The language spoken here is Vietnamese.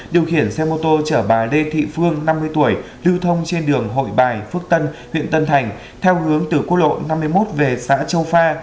điều khiển xe mô tô chở bà lê thị phương năm mươi tuổi lưu thông trên đường hội bài phước tân huyện tân thành theo hướng từ quốc lộ năm mươi một về xã châu pha